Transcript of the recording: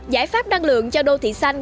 giải pháp năng lượng cho đô thị xanh